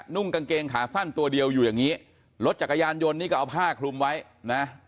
นุ่งกางเกงขาสั้นตัวเดียวอยู่อย่างนี้รถจักรยานยนต์นี่ก็เอาผ้าคลุมไว้นะ